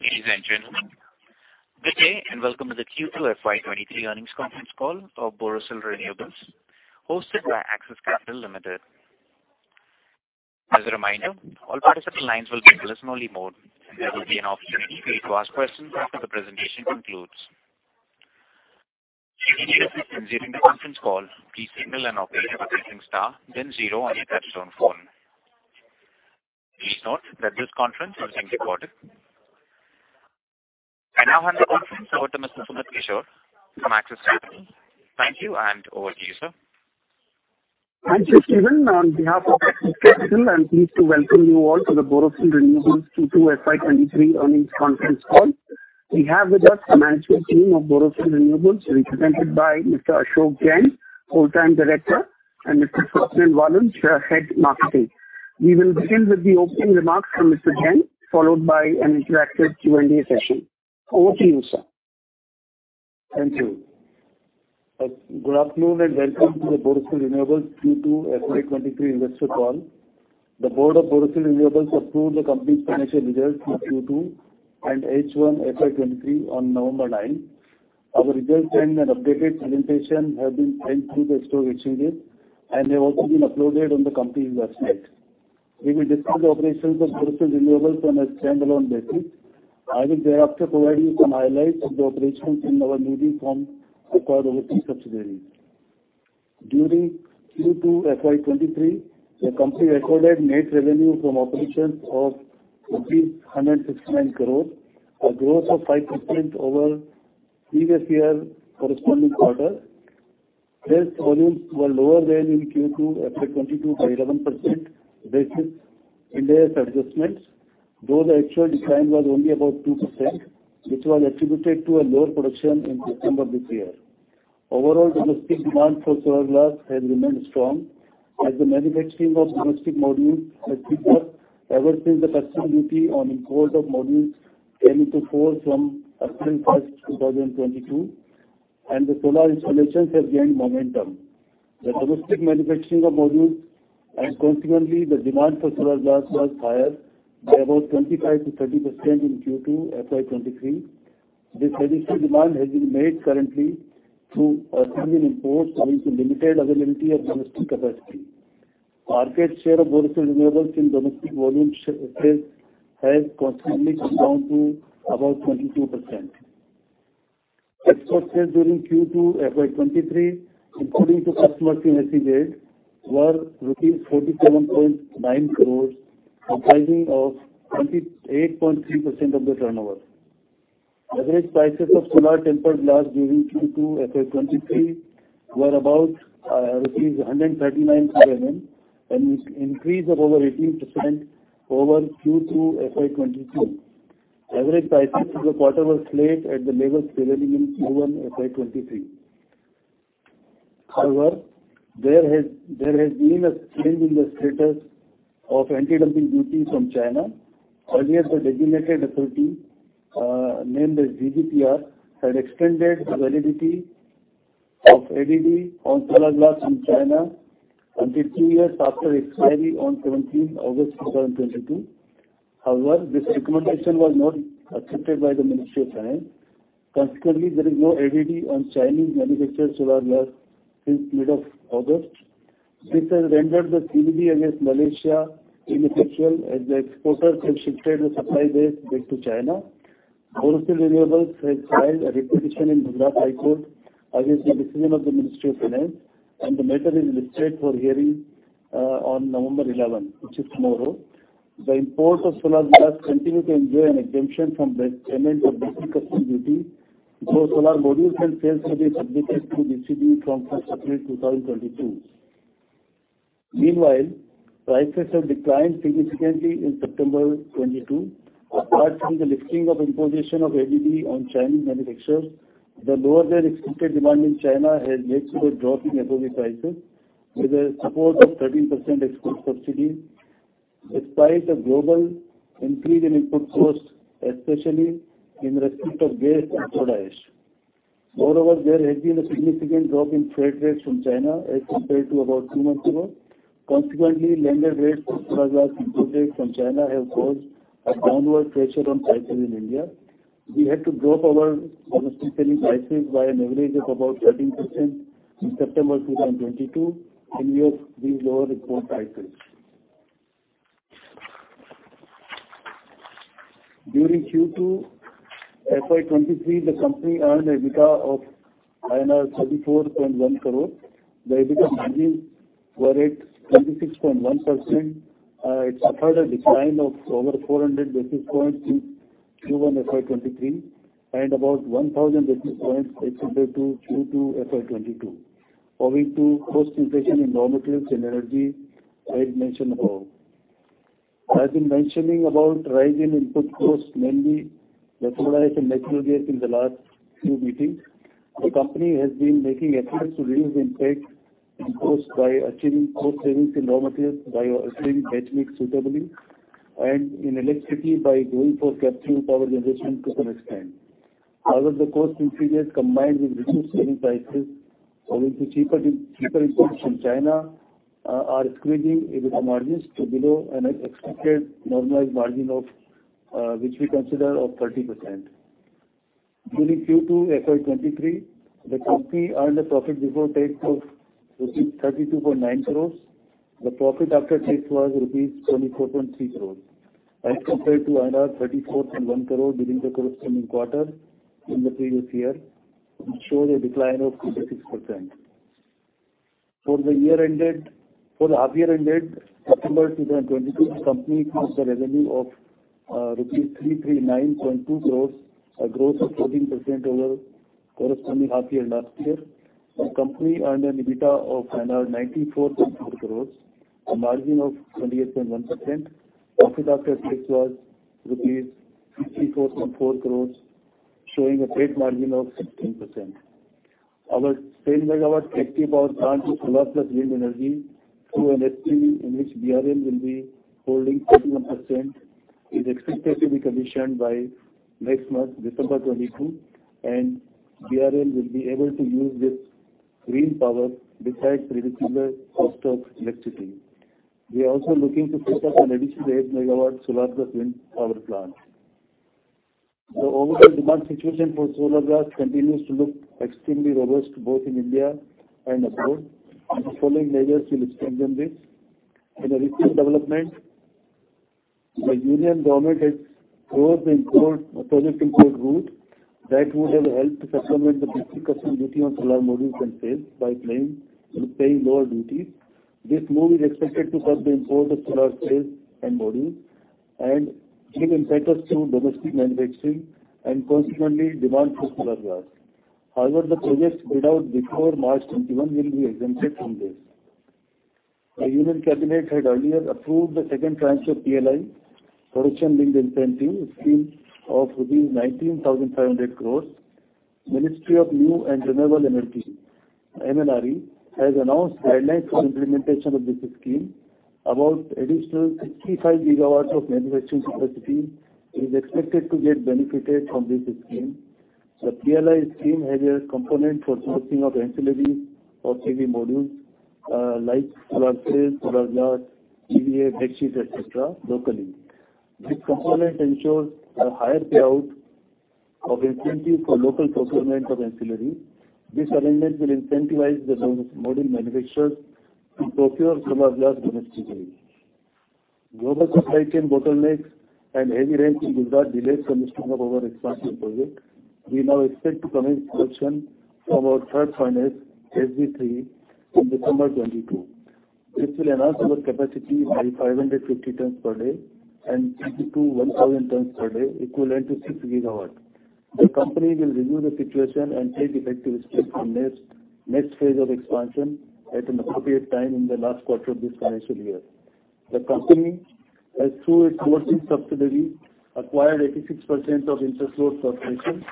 Ladies and gentlemen, good day, and welcome to the Q2 FY23 earnings conference call of Borosil Renewables hosted by Axis Capital Limited. As a reminder, all participant lines will be in listen-only mode, and there will be an option for you to ask questions after the presentation concludes. If you need assistance during the conference call, please signal an operator by pressing star then zero on your touchtone phone. Please note that this conference is being recorded. I now hand the conference over to Mr. Sumit Kishore from Axis Capital. Thank you, and over to you, sir. Thank you, Steven. On behalf of Axis Capital, I'm pleased to welcome you all to the Borosil Renewables Q2 FY 2023 earnings conference call. We have with us the management team of Borosil Renewables, represented by Mr. Ashok Jain, Full-time Director, and Mr. Swapnil Walunj, Head, Marketing. We will begin with the opening remarks from Mr. Jain, followed by an interactive Q&A session. Over to you, sir. Thank you. Good afternoon, and welcome to the Borosil Renewables Q2 FY 2023 investor call. The board of Borosil Renewables approved the company's financial results for Q2 and H1 FY 2023 on November 9. Our results and an updated presentation have been sent through the stock exchanges this evening, and they've also been uploaded on the company's website. We will discuss the operations of Borosil Renewables on a standalone basis. I will thereafter provide you some highlights of the operations in our newly acquired overseas subsidiary. During Q2 FY 2023, the company recorded net revenue from operations of rupees 169 crore, a growth of 5% over previous year corresponding quarter. Sales volumes were lower than in Q2 FY 2022 by 11% basis inventory adjustments, though the actual decline was only about 2%, which was attributed to a lower production in September this year. Overall, domestic demand for solar glass has remained strong as the manufacturing of domestic modules has picked up ever since the customs duty on import of modules came into force from April 1, 2022, and the solar installations have gained momentum. The domestic manufacturing of modules and consequently the demand for solar glass was higher by about 25%-30% in Q2 FY 2023. This additional demand has been made currently through Asian imports owing to limited availability of domestic capacity. Market share of Borosil Renewables in domestic volume has consequently come down to about 22%. Export sales during Q2 FY 2023, according to customers we message aid, were rupees 47.9 crores, comprising of 28.3% of the turnover. Average prices of solar tempered glass during Q2 FY 2023 were about rupees 139 per mm, an increase of over 18% over Q2 FY 2022. Average prices of the patterned glass at the levels prevailing in Q1 FY 2023. However, there has been a change in the status of anti-dumping duty from China. Earlier, the designated authority named as DGTR had extended the validity of ADD on solar glass from China until two years after expiry on 17 August 2022. However, this recommendation was not accepted by the Ministry of Finance. Consequently, there is no ADD on Chinese manufactured solar glass since mid-August. This has rendered the BCD against Malaysia ineffectual as the exporters have shifted the supply base back to China. Borosil Renewables has filed a petition in Gujarat High Court against the decision of the Ministry of Finance, and the matter is listed for hearing on November 11, which is tomorrow. The import of solar glass continues to enjoy an exemption from the payment of Basic Customs Duty because solar modules and cells will be subjected to BCD from April 1, 2022. Meanwhile, prices have declined significantly in September 2022. Apart from the lifting of imposition of ADD on Chinese manufacturers, the lower-than-expected demand in China has led to a drop in FOB prices with a support of 13% export subsidy, despite a global increase in input costs, especially in respect of gas and soda ash. Moreover, there has been a significant drop in freight rates from China as compared to about two months ago. Consequently, landed rates for solar glass imported from China have caused a downward pressure on prices in India. We had to drop our domestic selling prices by an average of about 13% in September 2022 in view of these lower import prices. During Q2 FY 2023, the company earned EBITDA of 34.1 crore. The EBITDA margins were at 26.1%. It suffered a decline of over 400 basis points in Q1 FY 2023 and about 1,000 basis points as compared to Q2 FY 2022, owing to cost inflation in raw materials and energy I had mentioned above. I've been mentioning about rise in input costs, mainly natural gas in the last few meetings. The company has been making efforts to reduce the impact in costs by achieving cost savings in raw materials by adjusting mix suitably and in electricity by going for captive power generation to some extent. However, the cost increases combined with reduced selling prices owing to cheaper imports from China are squeezing EBITDA margins to below an expected normalized margin of which we consider of 30%. During Q2 FY 2023, the company earned a profit before tax of rupees 32.9 crores. The profit after tax was rupees 24.3 crores as compared to 34.1 crore during the corresponding quarter in the previous year, which shows a decline of 26%. For the half year ended September 2022, the company booked a revenue of rupees 339.2 crores, a growth of 14% over corresponding half year last year. The company earned an EBITDA of 94.4 crores, a margin of 28.1%. Profit after tax was rupees 54.4 crores, showing a tax margin of 16%. Our 10-megawatt captive power plant with solar plus wind energy through an SPV, in which BRL will be holding 41%, is expected to be commissioned by next month, December 2022, and BRL will be able to use this green power besides reducing the cost of electricity. We are also looking to put up an additional 8-megawatt solar plus wind power plant. The overall demand situation for solar glass continues to look extremely robust, both in India and abroad, and the following measures will strengthen this. In a recent development, the Union government has lowered the project import route that would have helped to supplement the Basic Customs Duty on solar modules and cells by paying lower duties. This move is expected to curb the import of solar cells and modules, and give impetus to domestic manufacturing and consequently demand for solar glass. However, the projects paid out before March 2021 will be exempted from this. The Union Cabinet had earlier approved the second tranche of PLI, Production Linked Incentive Scheme, of rupees 19,500 crores. Ministry of New and Renewable Energy, MNRE, has announced guidelines for implementation of this scheme. About additional 65 GW of manufacturing capacity is expected to get benefited from this scheme. The PLI scheme has a component for sourcing of ancillary for PV modules, like solar cells, solar glass, EVA, backsheets, et cetera, locally. This component ensures a higher payout of incentives for local procurement of ancillary. This arrangement will incentivize the module manufacturers to procure solar glass domestically. Global supply chain bottlenecks and heavy rains in Gujarat delayed commissioning of our expansion project. We now expect to commence production from our third furnace, FG3, in December 2022. This will enhance our capacity by 550 tons per day and take it to 1,000 tons per day, equivalent to 6 GW. The company will review the situation and take effective steps for next phase of expansion at an appropriate time in the last quarter of this financial year. The company has, through its overseas subsidiary, acquired 86% of Interfloat Corporation.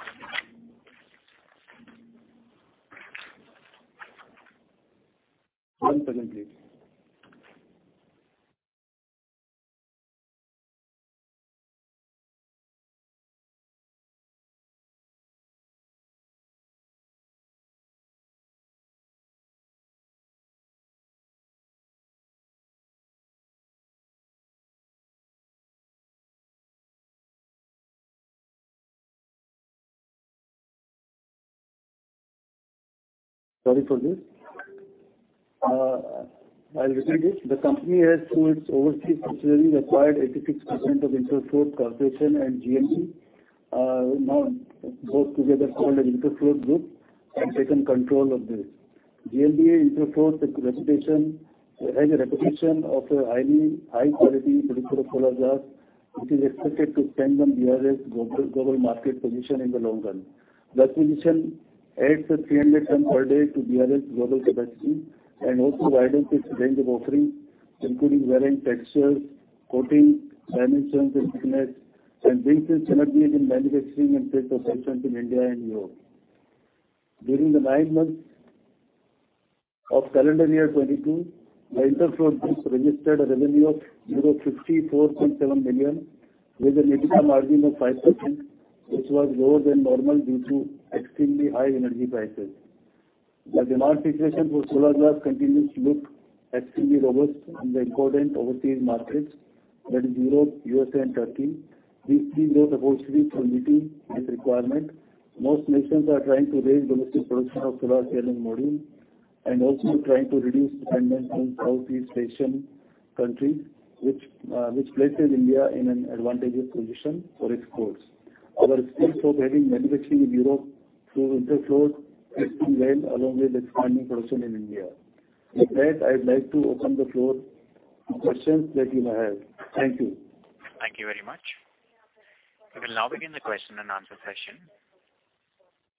Sorry for this. I'll repeat it. The company has, through its overseas subsidiary, acquired 86% of Interfloat Corporation and GMB, now both together called as Interfloat Group, and taken control of this. GMB Interfloat's reputation has a reputation of a high quality predictive solar glass, which is expected to strengthen BRL's global market position in the long run. The acquisition adds 300 tons per day to BRL's global capacity and also widens its range of offerings, including varying textures, coating, dimensions, and thickness, and brings the synergies in manufacturing and sales operations in India and Europe. During the nine months of calendar year 2022, the Interfloat Group registered a revenue of 54.7 million with an EBITDA margin of 5%, which was lower than normal due to extremely high energy prices. The demand situation for solar glass continues to look extremely robust in the important overseas markets, that is Europe, USA and Turkey. These three are the hotspots for meeting this requirement. Most nations are trying to raise domestic production of solar cell and module, and also trying to reduce dependence on Southeast Asian countries, which places India in an advantageous position for exports. Our scale for having manufacturing in Europe through Interfloat is to lend along with expanding production in India. With that, I'd like to open the floor for questions that you may have. Thank you. Thank you very much. We will now begin the question and answer session.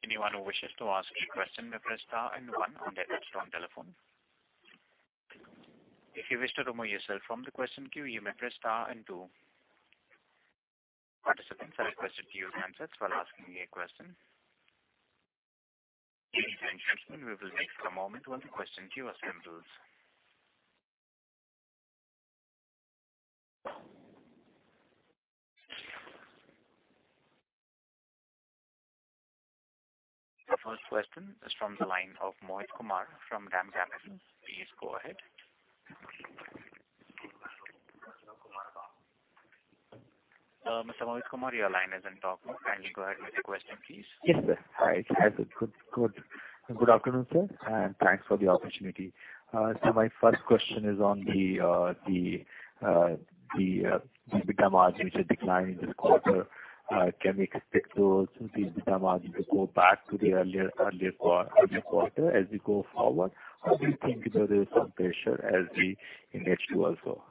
Anyone who wishes to ask a question may press star and one on their touchtone telephone. If you wish to remove yourself from the question queue, you may press star and two. Participants are requested to unmute themselves while asking a question. We need to ensure this, and we will wait for a moment while the question queue assembles. The first question is from the line of Mohit Kumar from DAM Capital. Please go ahead. Mr. Mohit Kumar, your line isn't talking. Kindly go ahead with your question, please. Yes, sir. Hi. Good afternoon, sir, and thanks for the opportunity. So my first question is on the EBITDA margin which had declined this quarter. Can we expect those EBITDA margin to go back to the earlier quarter as we go forward? Or do you think, you know, there is some pressure as we in H2 also?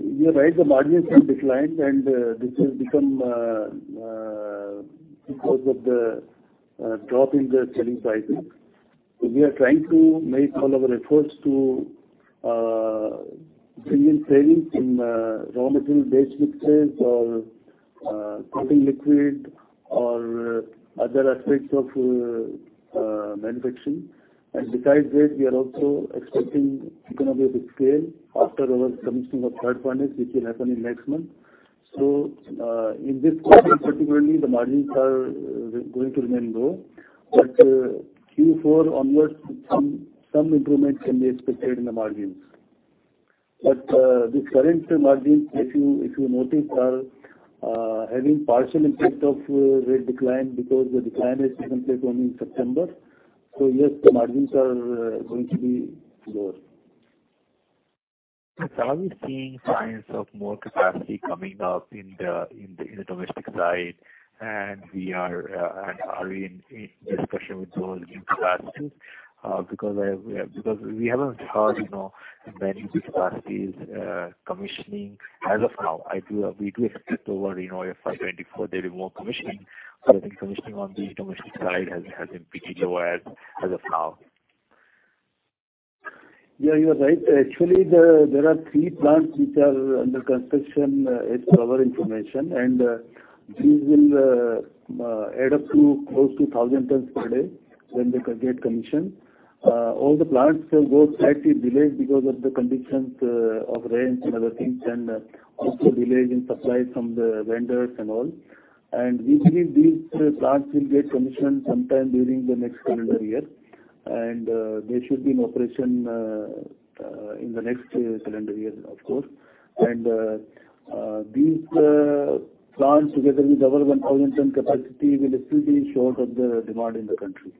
You're right, the margins have declined, and this is because of the drop in the selling prices. We are trying to make all of our efforts to bring in savings in raw material batch mixes or coating liquid or other aspects of manufacturing. Besides this, we are also expecting economies of scale after our commissioning of third furnace, which will happen in next month. In this quarter particularly, the margins are going to remain low. Q4 onwards, some improvement can be expected in the margins. These current margins, if you notice, are having partial impact of rate decline because the decline has taken place only in September. Yes, the margins are going to be lower. Yes. Are we seeing signs of more capacity coming up in the domestic side? Are we in discussion with those new capacities? Because we haven't heard, you know, many capacities commissioning as of now. We do expect over in FY 2024 there will be more commissioning. I think commissioning on the domestic side has been pretty low as of now. Yeah, you are right. Actually, there are three plants which are under construction, as per our information. These will add up to close to 1,000 tons per day when they get commissioned. All the plants have got slightly delayed because of the conditions of rains and other things and also delays in supply from the vendors and all. We believe these plants will get commissioned sometime during the next calendar year. These plants together with our 1,000-ton capacity will still be short of the demand in the country.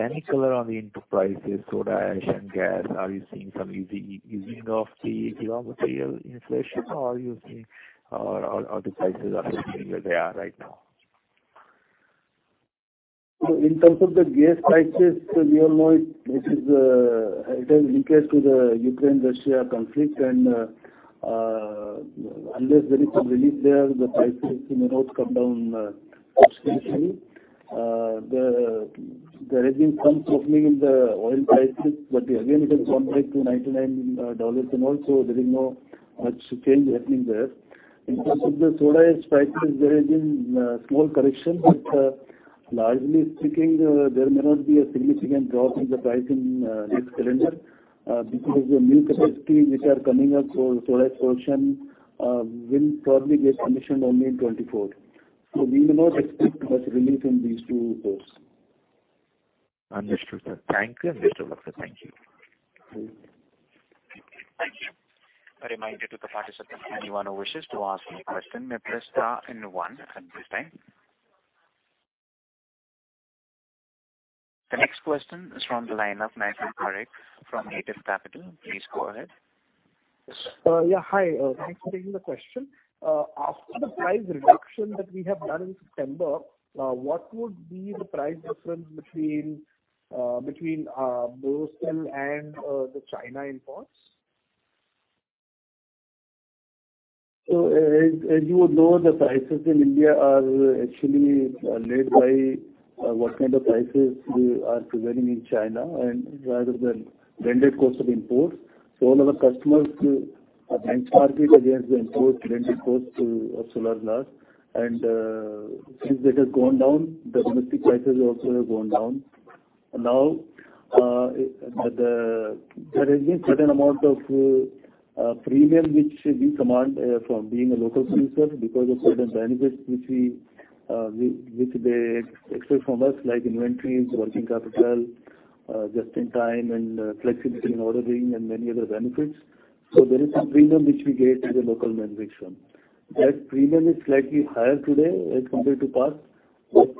Any color on the input prices, soda ash and gas. Are you seeing some easing of the raw material inflation or the prices are staying where they are right now? In terms of the gas prices, you know, it has linkage to the Ukraine-Russia conflict. Unless there is some relief there, the prices may not come down substantially. There has been some softening in the oil prices. Again, it has gone back to $99 and all, so there is not much change happening there. In terms of the soda ash prices, there has been small correction. Largely speaking, there may not be a significant drop in the price in next calendar, because the new capacity which are coming up for soda ash production will probably get commissioned only in 2024. We may not expect much relief in these two inputs. Understood, sir. Thank you. Understood. Okay, thank you. Thank you. A reminder to the participants, anyone who wishes to ask any question may press star and one at this time. The next question is from the line of Naitik Parekh from InCred Capital. Please go ahead. Yeah, hi. Thanks for taking the question. After the price reduction that we have done in September, what would be the price difference between Borosil and the China imports? As you would know, the prices in India are actually led by what kind of prices are prevailing in China and rather than landed cost of imports. All our customers benchmark it against the import landed cost of solar glass. Since it has gone down, the domestic prices also have gone down. There is a certain amount of premium which we command from being a local producer because of certain benefits which they expect from us, like inventories, working capital, just-in-time and flexibility in ordering and many other benefits. There is some premium which we get as a local manufacturer. That premium is slightly higher today as compared to past, but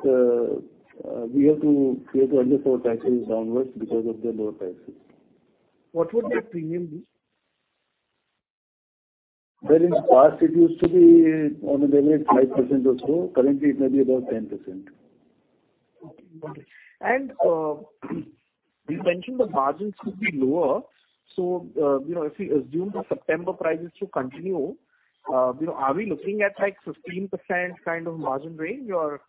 we have to adjust for taxes downwards because of the lower prices. What would that premium be? Well, in past it used to be on an average 5% or so. Currently it may be about 10%. Okay, got it. You mentioned the margins could be lower. You know, if we assume the September prices to continue, you know, are we looking at like 15% kind of margin range? Or,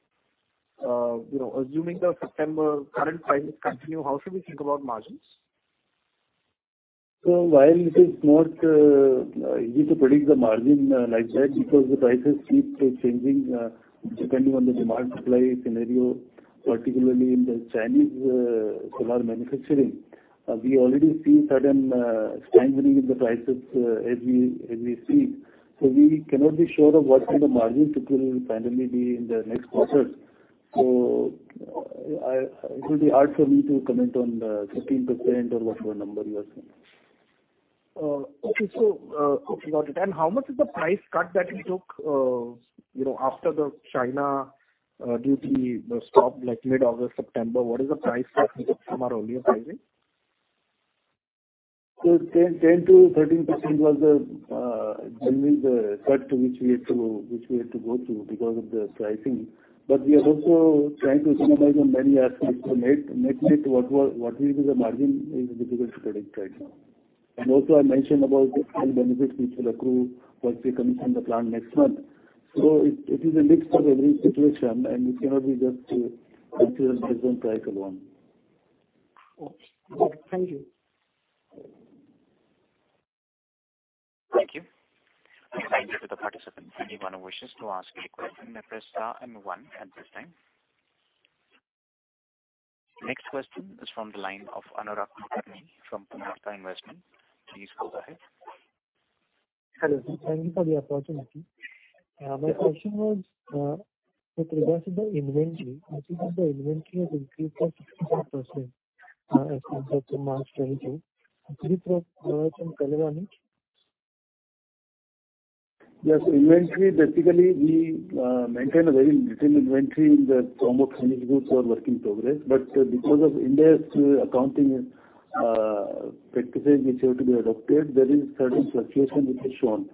you know, assuming the September current prices continue, how should we think about margins? While it is not easy to predict the margin like that because the prices keep changing depending on the demand supply scenario, particularly in the Chinese solar manufacturing. We already see certain strengthening in the prices as we speak. We cannot be sure of what will the margins it will finally be in the next quarter. It will be hard for me to comment on the 15% or whatever number you are saying. Got it. How much is the price cut that you took, you know, after the China duty stopped like mid-August, September? What is the price cut from our earlier pricing? 10%-13% was the general cut which we had to go through because of the pricing. We are also trying to optimize on many aspects. Net-net, what will be the margin is difficult to predict right now. Also I mentioned about the scale benefits which will accrue once we commission the plant next month. It is a mix of every situation, and it cannot be just to consider the present price alone. Okay. Thank you. Thank you. A reminder to the participants, anyone who wishes to ask a question may press star and one at this time. Next question is from the line of [Anurag Kamani] from Purnartha Investment. Please go ahead. Hello, sir. Thank you for the opportunity. My question was, with regards to the inventory. I see that the inventory has increased by 57%, as compared to March 2022. Is it from [closing the inventory]? Yes, inventory basically we maintain a very little inventory in the form of finished goods or work in progress. Because of India's accounting practices which have to be adopted, there is certain fluctuation which is shown.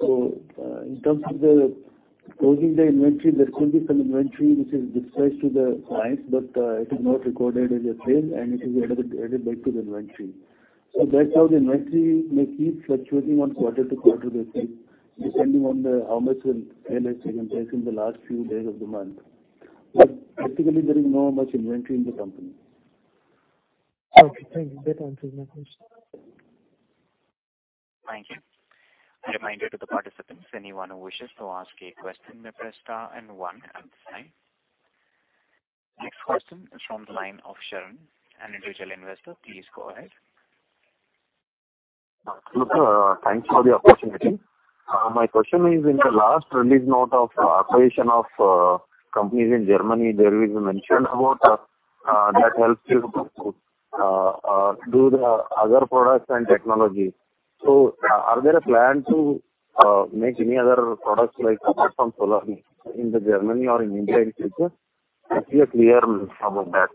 In terms of the closing the inventory, there could be some inventory which is dispatched to the clients, but it is not recorded as a sale, and it is added back to the inventory. That's how the inventory may keep fluctuating on quarter to quarter basis, depending on the how much sales have taken place in the last few days of the month. Practically, there is no much inventory in the company. Okay, thank you. That answers my question. Thank you. A reminder to the participants, anyone who wishes to ask a question may press star and one at this time. Next question is from the line of Sharon, an individual investor. Please go ahead. Look, thanks for the opportunity. My question is in the last release note of acquisition of companies in Germany, there is a mention about that helps you to do the other products and technology. Are there a plan to make any other products like apart from solar in Germany or in India in future? Can you be clear about that?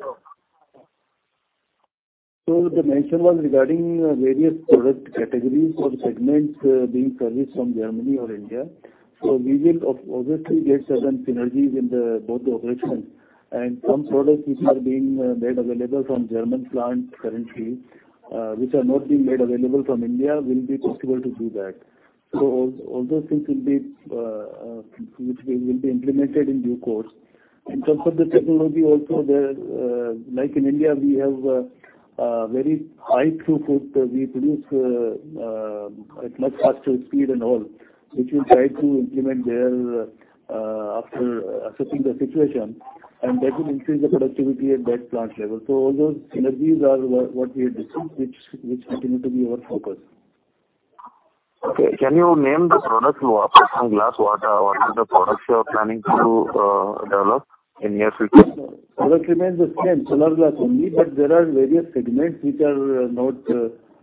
The mention was regarding various product categories or segments being serviced from Germany or India. We will obviously get certain synergies in both the operations. Some products which are being made available from German plant currently, which are not being made available from India will be possible to do that. All those things will be implemented in due course. In terms of the technology also, like in India, we have very high throughput. We produce at much faster speed and all, which we try to implement there after assessing the situation, and that will increase the productivity at that plant level. All those synergies are what we have discussed which continue to be our focus. Okay. Can you name the products apart from glass? What are the products you are planning to develop in near future? Product remains the same, solar glass only, but there are various segments which are not,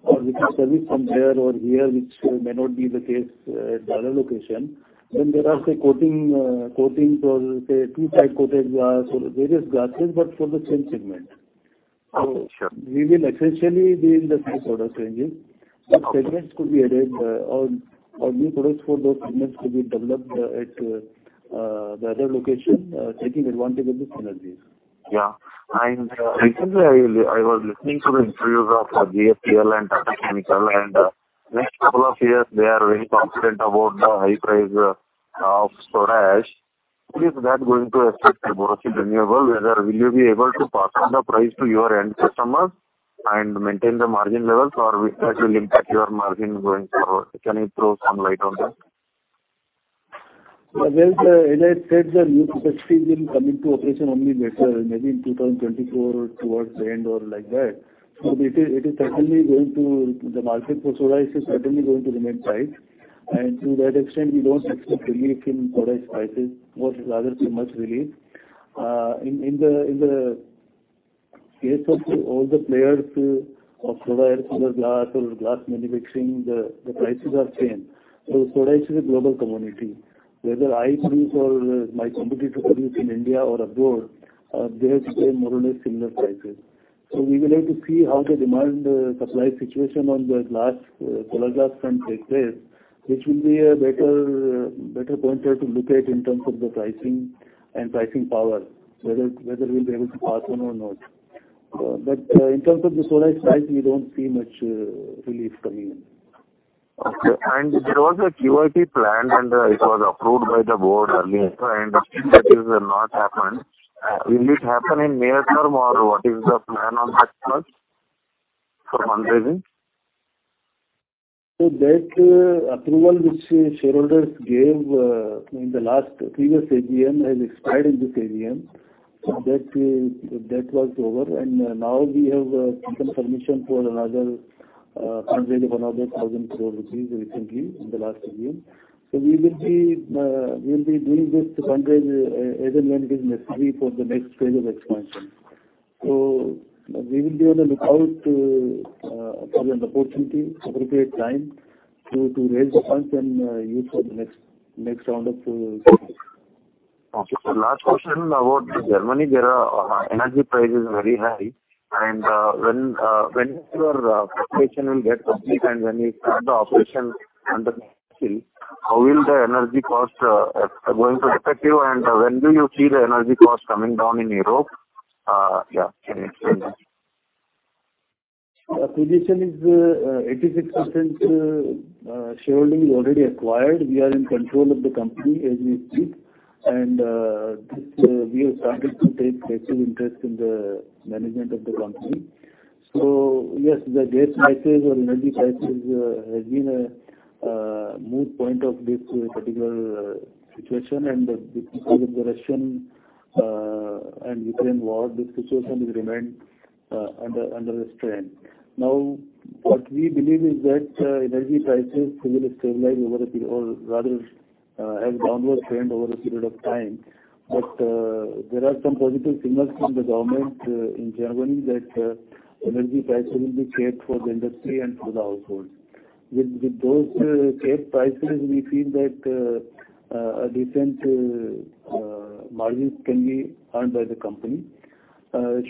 or which are serviced from there or here, which may not be the case at the other location. There are say coating, coatings or say two side coated glass or various glasses, but for the same segment. Okay, sure. We will essentially be in the same product ranges. Segments could be added, or new products for those segments could be developed at the other location, taking advantage of the synergies. Yeah. Recently I was listening to the interviews of GFCL and Tata Chemicals, and next couple of years they are very confident about the high price of soda ash. Is that going to affect your Borosil Renewables? Will you be able to pass on the price to your end customers and maintain the margin levels? Or will that impact your margin going forward? Can you throw some light on that? Well, as I said, the new capacity will come into operation only later, maybe in 2024 towards the end or like that. The market for soda ash is certainly going to remain tight. To that extent we don't expect relief in soda ash prices or rather too much relief. In the case of all the players of soda ash, solar glass or glass manufacturing, the prices are same. Soda ash is a global commodity. Whether I produce or my competitors produce in India or abroad, they have to pay more or less similar prices. We will have to see how the demand supply situation on the glass, solar glass front takes place, which will be a better pointer to look at in terms of the pricing and pricing power, whether we'll be able to pass on or not. In terms of the soda ash price, we don't see much relief coming in. Okay. There was a QIP plan and it was approved by the board earlier. I understand that is not happened. Will it happen in near term or what is the plan on that front for fundraising? That approval which shareholders gave in the last previous AGM has expired in this AGM. That was over. Now we have taken permission for another fundraise of 1,000 crore rupees recently in the last AGM. We will be doing this fundraise as and when it is necessary for the next phase of expansion. We will be on the lookout for an opportunity, appropriate time to raise the funds and use for the next round of expansion. Okay. The last question about Germany. There are energy prices very high. When your acquisition will get complete and when you start the operation and how will the energy costs going to affect you and when do you see the energy costs coming down in Europe? Yeah. Can you explain that? Position is 86% shareholding is already acquired. We are in control of the company as we speak. We have started to take active interest in the management of the company. Yes, the gas prices or energy prices has been a moot point of this particular situation. Because of the Russia and Ukraine war, the situation is remained under the strain. Now, what we believe is that energy prices will stabilize over a period or rather on a downward trend over a period of time. There are some positive signals from the government in Germany that energy prices will be capped for the industry and for the households. With those capped prices, we feel that decent margins can be earned by the company.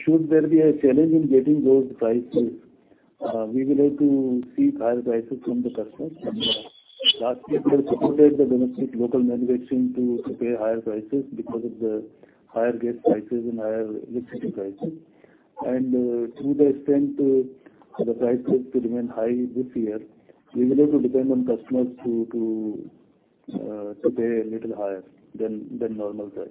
Should there be a challenge in getting those prices, we will have to seek higher prices from the customers. Last year, we have supported the domestic local manufacturing to pay higher prices because of the higher gas prices and higher electricity prices. To the extent the prices to remain high this year, we will have to depend on customers to pay a little higher than normal price.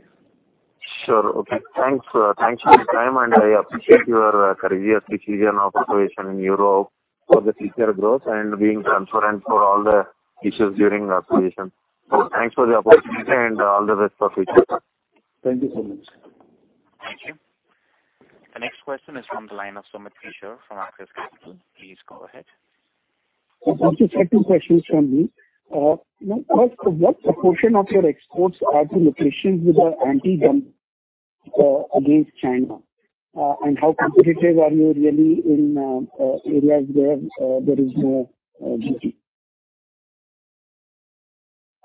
Sure. Okay. Thanks. Thanks for your time, and I appreciate your courageous decision of acquisition in Europe for the future growth and being transparent for all the issues during acquisition. Thanks for the opportunity and all the best for future. Thank you so much. Thank you. The next question is from the line of Sumit Kishore from Axis Capital. Please go ahead. Just two questions from me. First, what proportion of your exports are to locations with the anti-dumping against China? How competitive are you really in areas where there is no duty?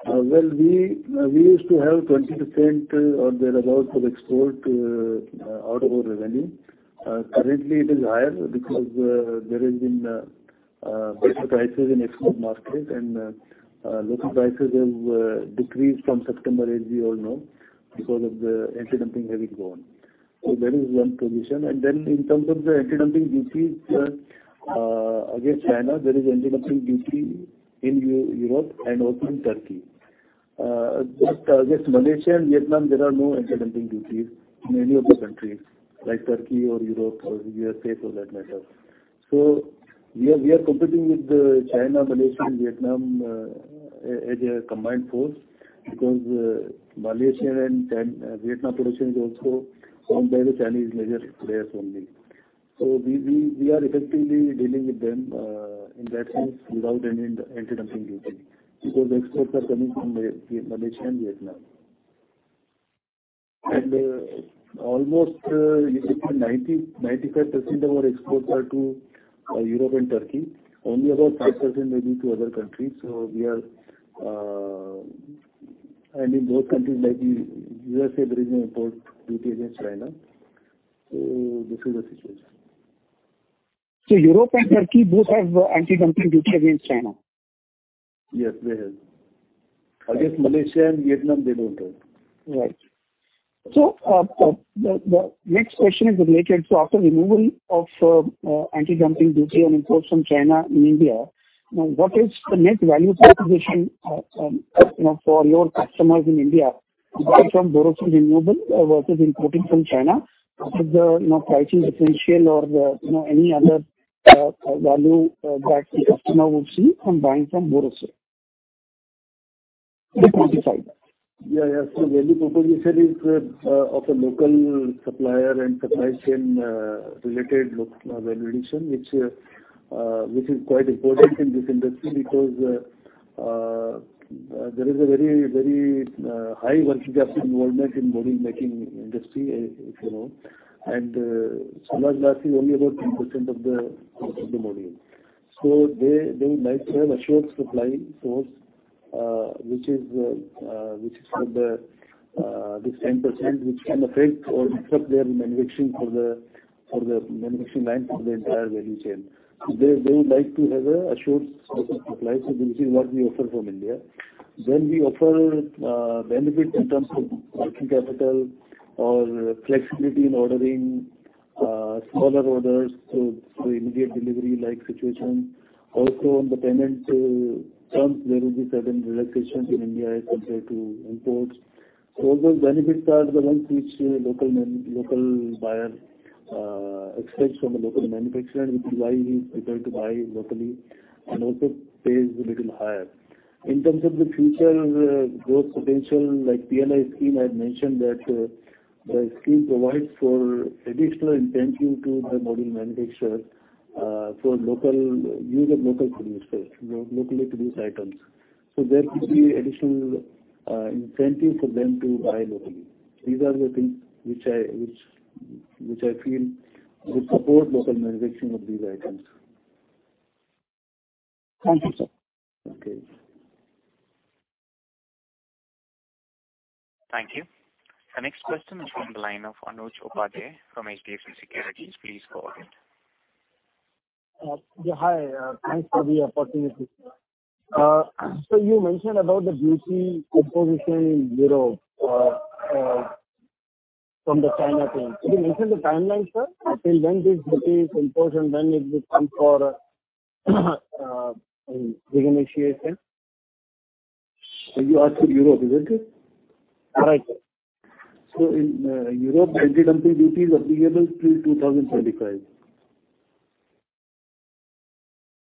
Well, we used to have 20% or thereabout for export out of our revenue. Currently it is higher because there has been better prices in export markets and local prices have decreased from September, as we all know, because of the anti-dumping having gone. There is one position. Then in terms of the anti-dumping duties against China, there is anti-dumping duty in Europe and also in Turkey. Just against Malaysia and Vietnam, there are no anti-dumping duties in any of the countries like Turkey or Europe or USA for that matter. We are competing with China, Malaysia and Vietnam as a combined force because Malaysian and Vietnam production is also owned by the Chinese major players only. We are effectively dealing with them in that sense without any anti-dumping duty because exports are coming from Malaysia and Vietnam. Almost 95% of our exports are to Europe and Turkey. Only about 5% maybe to other countries. In those countries like the USA, there is no import duty against China. This is the situation. Europe and Turkey both have anti-dumping duty against China? Yes, they have. Against Malaysia and Vietnam, they don't have. Right. The next question is related to after removal of anti-dumping duty on imports from China in India, what is the net value proposition, you know, for your customers in India bought from Borosil Renewables versus imported from China? What is the, you know, pricing differential or the, you know, any other value that the customer would see from buying from Borosil? Can you quantify that? Yeah. Value proposition is of a local supplier and supply chain related local value addition, which is quite important in this industry because there is a very high working capital involvement in module making industry, if you know. Solar glass is only about 10% of the module. They like to have assured supply source, which is for this 10% which can affect or disrupt their manufacturing for the manufacturing line for the entire value chain. They would like to have an assured local supply. This is what we offer from India. We offer benefit in terms of working capital or flexibility in ordering smaller orders to immediate delivery like situation. Also on the payment terms, there will be certain relaxation in India as compared to imports. All those benefits are the ones which local buyer expects from a local manufacturer, which is why he's prepared to buy locally and also pays a little higher. In terms of the future, growth potential, like PLI scheme, I've mentioned that, the scheme provides for additional incentive to buy modules manufactured for local use of local producers, locally produced items. There could be additional incentive for them to buy locally. These are the things which I feel would support local manufacturing of these items. Thank you, sir. Okay. Thank you. The next question is from the line of Anuj Upadhyay from HDFC Securities. Please go ahead. Yeah, hi. Thanks for the opportunity. You mentioned about the duty imposition zero from the China team. Could you mention the timeline, sir? Until when this duty is imposed and when it will come for renegotiation? You ask for Europe, is that it? Right. In Europe, anti-dumping duty is applicable till 2035.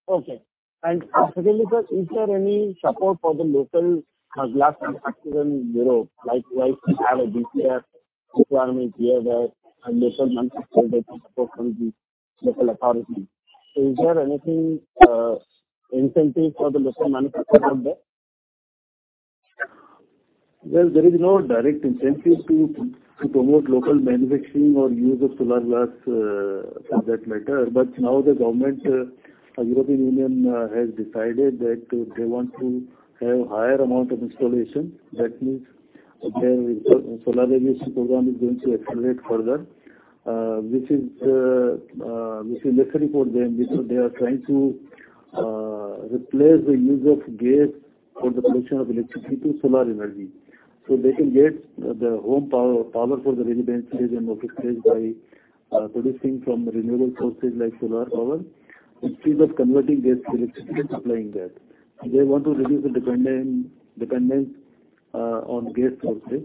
Okay. Secondly, sir, is there any support for the local glass manufacturing sector, like why have a DCR requirement here where a local manufacturer gets support from the local authority? Is there any incentive for the local manufacturer there? Well, there is no direct incentive to promote local manufacturing or use of solar glass, for that matter. Now the government, European Union, has decided that they want to have higher amount of installation. That means their solar energy program is going to accelerate further, which is necessary for them because they are trying to replace the use of gas for the production of electricity to solar energy. They can get the power for the residences and office space by producing from renewable sources like solar power instead of converting gas to electricity and supplying that. They want to reduce the dependence on gas sources.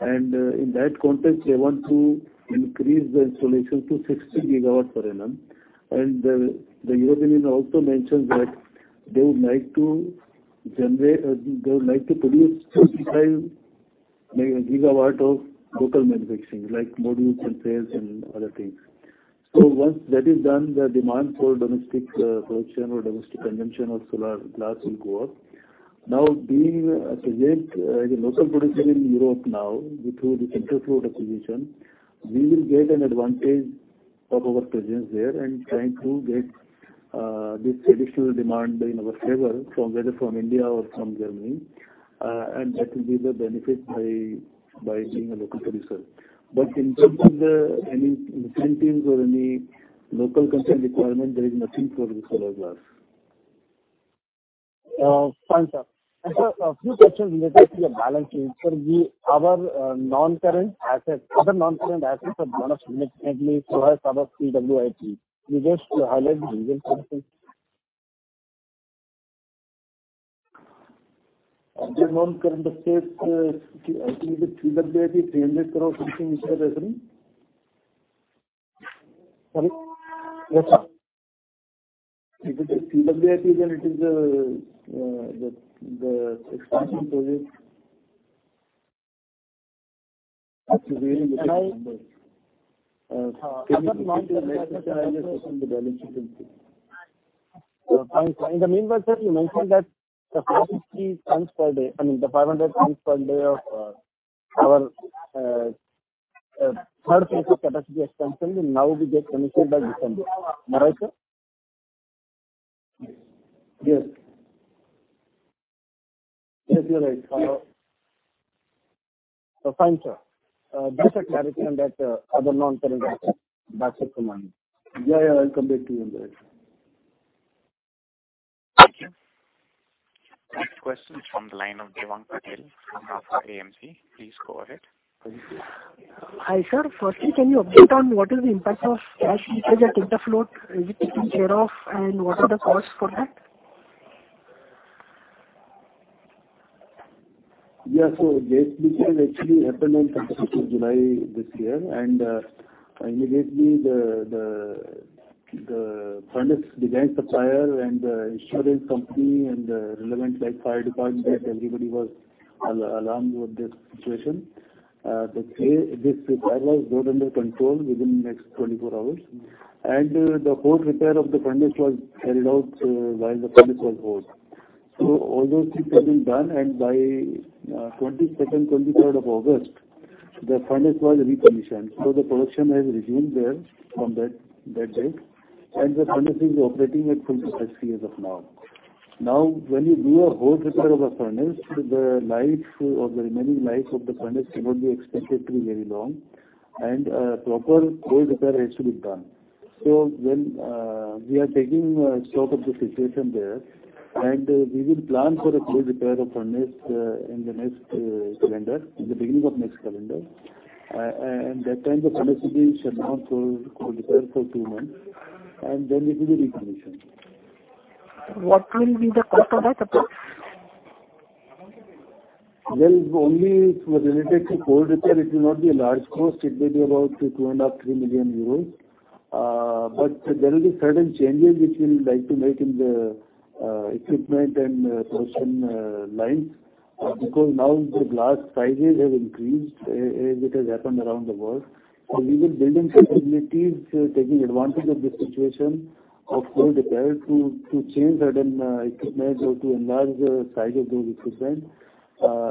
In that context, they want to increase the installation to 60 GWper annum. The European Union also mentioned that they would like to produce 35 GW of local manufacturing, like modules and cells and other things. Once that is done, the demand for domestic production or domestic consumption of solar glass will go up. Being present as a local producer in Europe now, through the Interfloat acquisition, we will get an advantage of our presence there and trying to get this additional demand in our favor from, whether from India or from Germany. That will be the benefit by being a local producer. In terms of any incentives or any local content requirement, there is nothing for the solar glass. Fine, sir. Sir, a few questions related to your balance sheet. Sir, our non-current assets, other non-current assets have gone up significantly. So has some of CWIP. Could you just highlight the reason for the same? The non-current assets, I think the CWIP changes are something which are there, isn't it? Sorry. Yes, sir. If it is CWIP, then it is the expansion project. That's a very big number. And I- Can you please elaborate what are the reasons the balance sheet increased? Fine, fine. In the meanwhile, sir, you mentioned that the 40 tons per day, I mean, the 500 tons per day of our third phase of capacity expansion will now be get commissioned by December. Am I right, sir? Yes. Yes. Yes, you're right. Fine, sir. Just a clarification that other non-current assets. That's it from my end. Yeah, yeah, I'll come back to you on that. Thank you. Next question from the line of Jivan Patwa from IIFL AMC. Please go ahead. Hi, sir. Firstly, can you update on what is the impact of gas leakage at Interfloat, is it still there, and what are the costs for that? Yeah. Gas leakage has actually happened on 22nd July this year. Immediately the furnace design supplier and the insurance company and the relevant like fire department, everybody was alarmed with this situation. This fire was brought under control within next 24 hours. The whole repair of the furnace was carried out while the furnace was hot. All those things have been done, and by 22nd, 23rd of August, the furnace was recommissioned. The production has resumed there from that day. The furnace is operating at full capacity as of now. Now, when you do a whole repair of a furnace, the life or the remaining life of the furnace cannot be expected to be very long, and proper whole repair has to be done. When we are taking stock of the situation there, and we will plan for a full repair of furnace in the next calendar, in the beginning of next calendar. At that time the furnace will be shut down for repair for two months, and then we do the recommission. What will be the cost of that approx? Well, only for related to cold repair, it will not be a large cost. It may be about 2.5 million-3 million euros. But there will be certain changes which we'd like to make in the equipment and production lines. Because now the glass sizes have increased, as it has happened around the world. We were building capabilities, taking advantage of this situation of cold repair to change certain equipment or to enlarge the size of those equipment,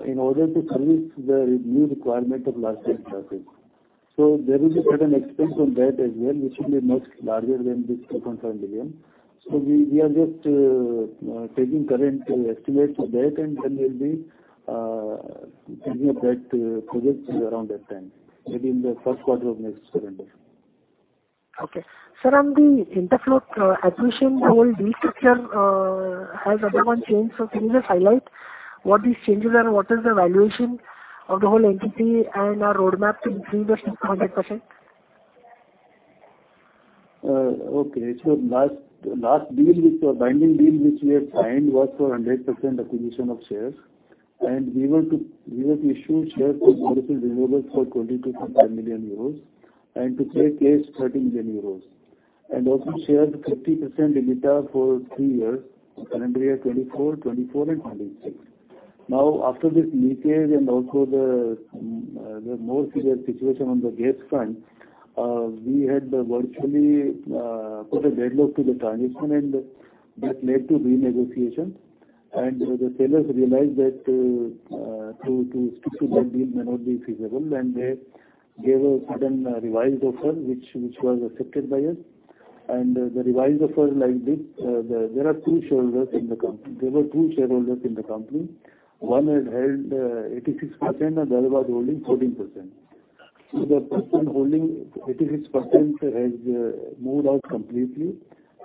in order to service the renewable requirement of large pane glasses. There is a certain expense on that as well, which should be much larger than this 2.5 million. We are just taking current estimates for that, and then we'll be taking up that project around that time, maybe in the first quarter of next calendar year. Okay. Sir, on the Interfloat acquisition, the whole deal structure has everything changed. Can you just highlight what these changes are and what is the valuation of the whole entity and our roadmap to increase this to 100%? Okay. Last binding deal which we had signed was for 100% acquisition of shares. We were to issue shares to multiple investors for EUR 22.5 million and to create cash 13 million euros. Also shares 50% EBITDA for three years, calendar year 2024, 2025 and 2026. After this leakage and also the more serious situation on the gas front, we had virtually put a deadlock on the transaction and that led to renegotiation. The sellers realized that to stick to that deal may not be feasible. They gave a certain revised offer, which was accepted by us. The revised offer like this, there are two shareholders in the company. There were two shareholders in the company. One has held 86%, another was holding 14%. The person holding 86% has moved out completely,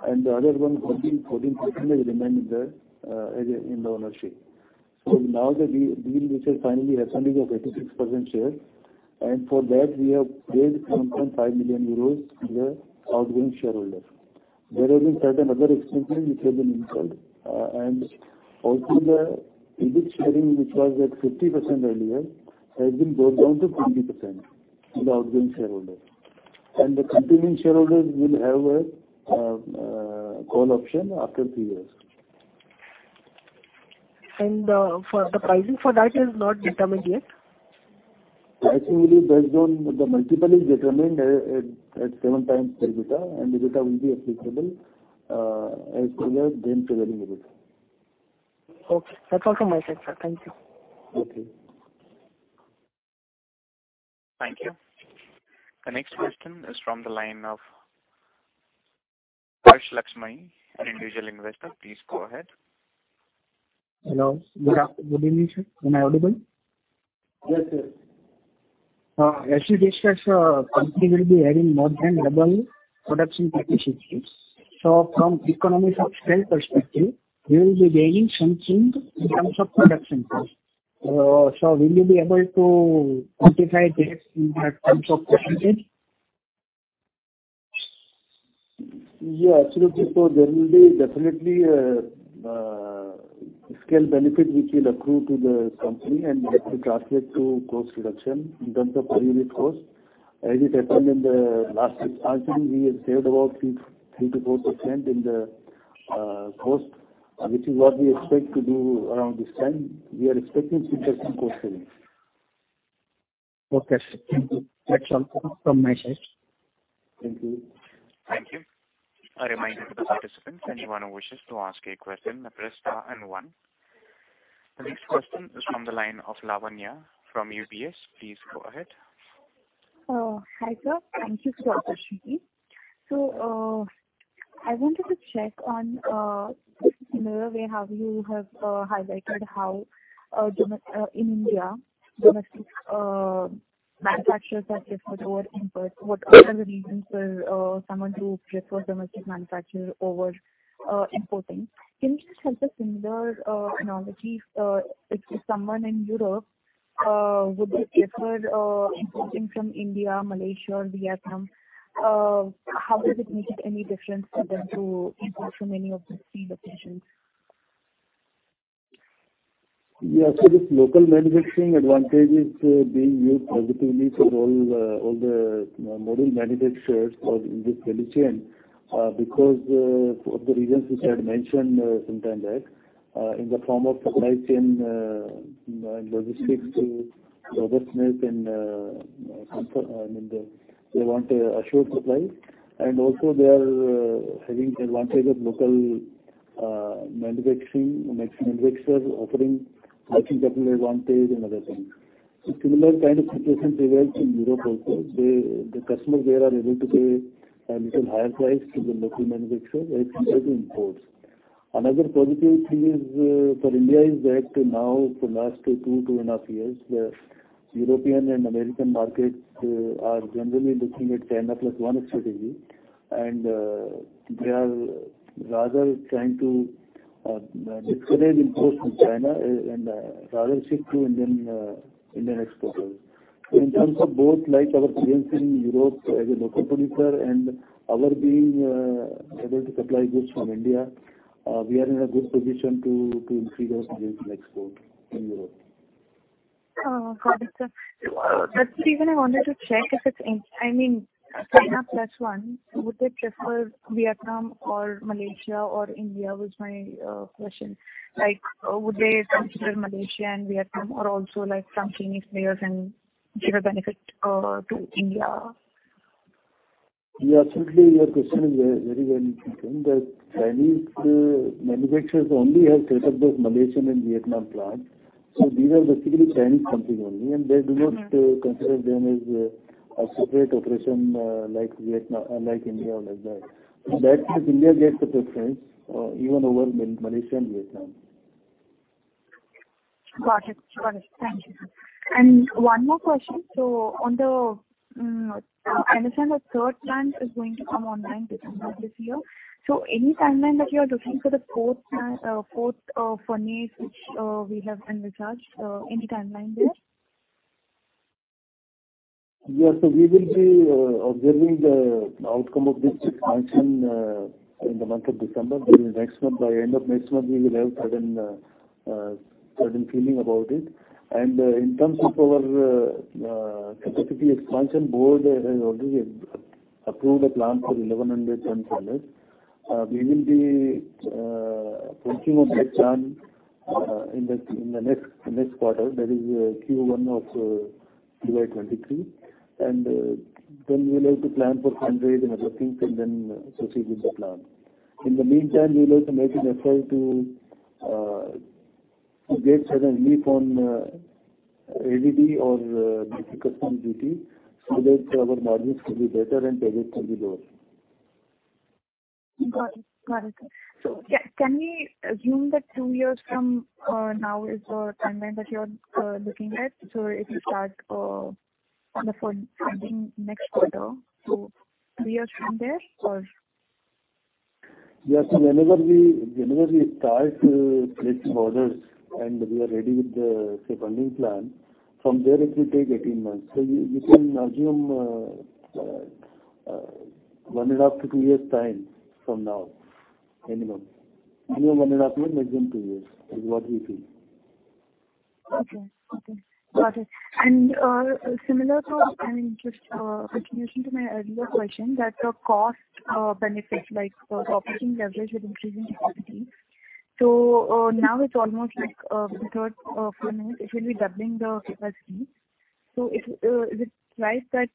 and the other one holding 14% has remained there in the ownership. Now the deal which has finally happened is of 86% shares, and for that we have paid 2.5 million euros to the outgoing shareholder. There have been certain other expenses which have been incurred. Also the EBIT sharing, which was at 50% earlier, has been brought down to 20% to the outgoing shareholder. The continuing shareholder will have a call option after three years. For the pricing for that is not determined yet? Pricing will be based on the multiple is determined at 7x EBITDA, and EBITDA will be accessible as per the then prevailing EBITDA. Okay. That's all from my side, sir. Thank you. Okay. Thank you. The next question is from the line of Harsh Lakshmi, an individual investor. Please go ahead. Hello. Good evening, sir. Am I audible? Yes, sir. As you discussed, company will be adding more than double production capacities. From economies of scale perspective, you will be gaining something in terms of production cost. Will you be able to quantify this in terms of percentage? Yeah, absolutely. There will be definitely a scale benefit which will accrue to the company and which will translate to cost reduction in terms of per unit cost. As it happened in the last expansion, we have saved about 3%-4% in the cost, which is what we expect to do around this time. We are expecting similar cost savings. Okay, sir. Thank you. That's all from my side. Thank you. Thank you. A reminder to the participants, anyone who wishes to ask a question, press star and one. The next question is from the line of Lavanya from UBS. Please go ahead. Hi, sir. Thank you for the opportunity. I wanted to check on similar way how you have highlighted how in India, domestic manufacturers are preferred over imports. What are the reasons for someone to prefer domestic manufacturer over importing? Can you just help a similar analogy? If someone in Europe would they prefer importing from India, Malaysia or Vietnam? How does it make any difference for them to import from any of these three locations? Yeah. This local manufacturing advantage is being used positively for all the module manufacturers or in this value chain, because for the reasons which I had mentioned sometime back, in the form of supply chain logistics robustness and, I mean, they want an assured supply. They are having advantage of local manufacturers offering working capital advantage and other things. Similar kind of situations prevail from Europe also. The customers there are able to pay a little higher price to the local manufacturer as compared to imports. Another positive thing for India is that now for last 2.5 years, the European and American markets are generally looking at China plus one strategy. They are rather trying to discourage imports from China and rather shift to Indian exporters. In terms of both, like our presence in Europe as a local producer and our being able to supply goods from India, we are in a good position to increase our presence in export in Europe. Oh, got it, sir. That's the reason I wanted to check if it's I mean, China plus one, would they prefer Vietnam or Malaysia or India was my question. Like, would they consider Malaysia and Vietnam are also like some Chinese players and give a benefit to India? Yeah, certainly your question is very, very well mentioned that Chinese manufacturers only have set up those Malaysian and Vietnam plants. These are basically Chinese companies only, and they do not consider them as a separate operation, unlike India or like that. That means India gets the preference, even over Malaysia and Vietnam. Got it. Thank you. One more question. I understand the third plant is going to come online December this year. Any timeline that you are looking for the fourth furnace, which we have envisaged. Any timeline there? Yes. We will be observing the outcome of this expansion in the month of December. During next month, by end of next month, we will have certain feeling about it. In terms of our capacity expansion, board has already approved a plan for 1,100-ton furnace. We will be launching of that plant in the next quarter, that is, Q1 of FY 2023. We will have to plan for fundraising and other things and then proceed with the plan. In the meantime, we will also make an effort to get certain relief on ADD or customs duty so that our margins will be better and taxes will be lower. Got it. Can we assume that two years from now is the timeline that you're looking at? If you start on the funding next quarter, three years from there or? Whenever we start to place orders and we are ready with the, say, funding plan, from there, it will take 18 months. You can assume 1.5-2 years' time from now minimum. Minimum 1.5 years, maximum two years is what we feel. Okay. Got it. Similar to my earlier question, I mean, just a continuation that the cost benefits like the operating leverage with increasing capacity. Now it's almost like the third furnace; it will be doubling the capacity. Is it right that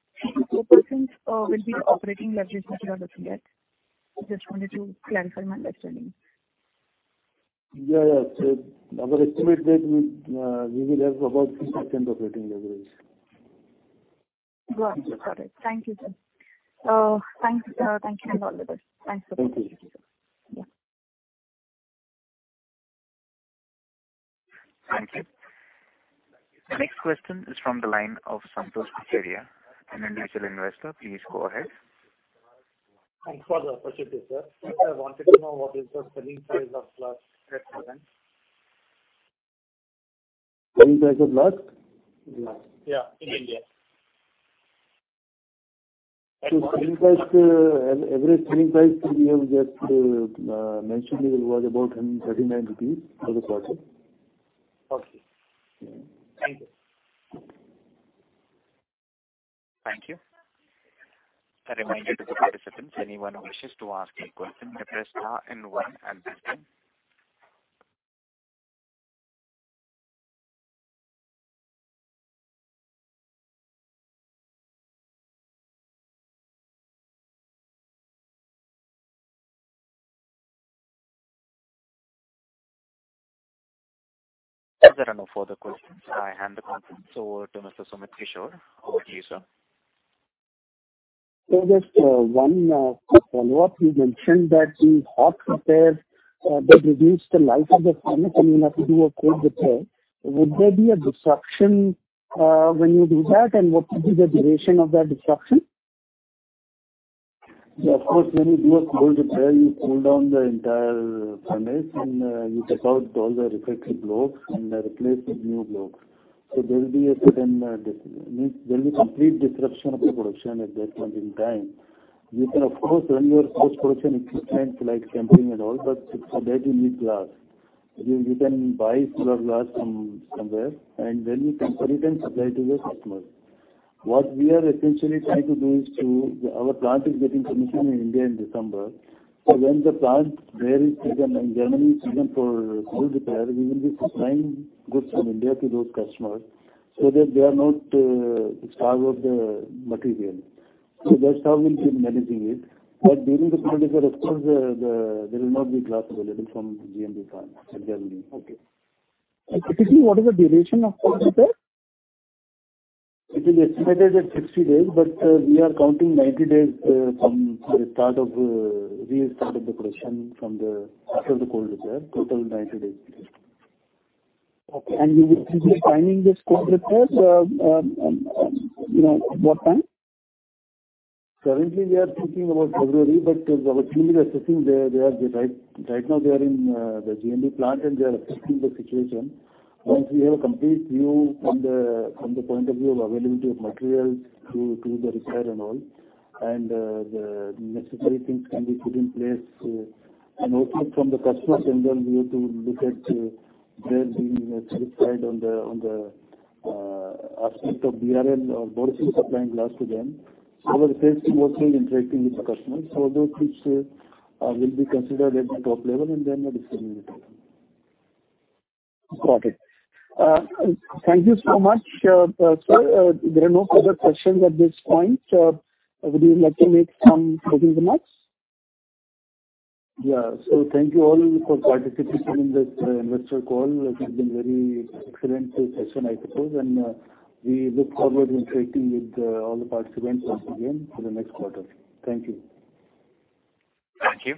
3%-4% will be the operating leverage material to get? Just wanted to clarify my understanding. Yeah, yeah. Our estimate that we will have about 3% operating leverage. Got it. Thank you, sir. Thanks. Thank you and all with this. Thanks for this. Thank you. Yeah. Thank you. The next question is from the line of Santosh Pataria, an individual investor. Please go ahead. Thanks for the opportunity, sir. I wanted to know what is the selling price of glass at present. Selling price of glass? Yeah, in India. Selling price, average selling price we have just mentioned it was about 139 rupees for the quarter. Okay. Thank you. Thank you. A reminder to the participants, anyone who wishes to ask a question, can press star and one and then zero. As there are no further questions, I hand the conference over to Mr. Sumit Kishore. Over to you, sir. Just one follow-up. You mentioned that in hot repairs, they reduce the life of the furnace, and you have to do a cold repair. Would there be a disruption, when you do that? And what would be the duration of that disruption? Of course, when you do a cold repair, you cool down the entire furnace and you take out all the refractory blocks and replace with new blocks. There will be complete disruption of the production at that point in time. You can of course run your post-production equipment like tempering and all, but for that you need glass. You can buy solar glass from somewhere, and when you can sell it and supply to your customers. What we are essentially trying to do is to. Our plant is getting commissioned in India in December. When the plant there is down, in January season for cold repair, we will be supplying goods from India to those customers so that they are not starved of the material. That's how we'll be managing it. During the cold repair of course there will not be glass available from GMB plant in Germany. Okay. Typically, what is the duration of cold repair? It is estimated at 60 days, but we are counting 90 days from the start of restart of the production after the cold repair, total 90 days. Okay. You will be planning this cold repairs, you know, at what time? Currently we are thinking about February, but our team is assessing. They are right now in the GNB plant, and they are assessing the situation. Once we have a complete view from the point of view of availability of materials to the repair and all, the necessary things can be put in place. Also from the customer's angle, we have to look at their being satisfied on the aspect of BRL or Borosil supplying glass to them. Our sales team also interacting with the customers. Those things will be considered at the top level and then a decision will be taken. Got it. Thank you so much, sir. There are no further questions at this point. Would you like to make some closing remarks? Yeah. Thank you all for participating in this investor call. It has been very excellent session, I suppose. We look forward interacting with all the participants once again for the next quarter. Thank you. Thank you.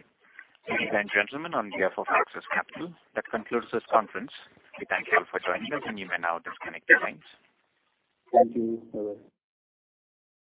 Ladies and gentlemen, on behalf of Axis Capital, that concludes this conference. We thank you all for joining us, and you may now disconnect your lines. Thank you. Bye-bye.